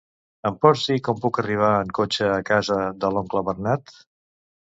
Em pots dir com puc arribar en cotxe a casa de l'oncle Bernat?